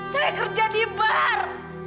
saya kerja di bar